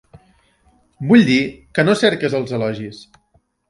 Vull dir que no cerques els elogis.